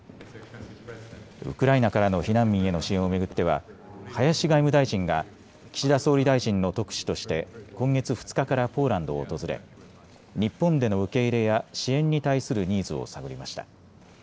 ウクライナからの避難民への支援を巡っては林外務大臣が岸田総理大臣の特使として今月２日からポーランドを訪れ日本での受け入れや支援に対するニーズを探りました。